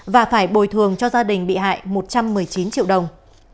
và phải bồi thường cho gia đình bị hại một trăm một mươi chín triệu đồng